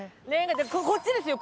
こっちですよ